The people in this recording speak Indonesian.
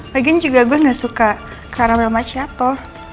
lagian juga gue gak suka karamel macchiato